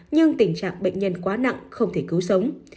nhưng tình trạng bệnh nhân quá nặng không thể cứu sống